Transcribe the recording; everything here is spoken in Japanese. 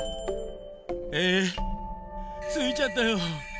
えついちゃったよ。